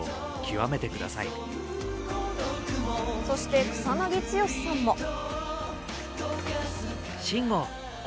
そして草なぎ剛さんも。